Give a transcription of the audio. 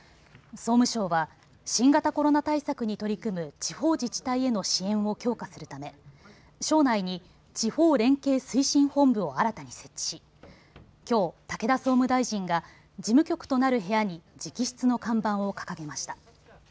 総務省は新型コロナ対策に取り組む地方自治体への支援を強化するため省内に地方連携推進本部を新たに設置しきょう、武田総務大臣が事務局となる部屋に直筆の看板を掲げました。